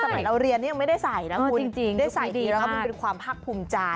สมัยเราเรียนนี่ยังไม่ได้ใส่นะคุณได้ใส่ดีแล้วก็มันเป็นความภาคภูมิใจ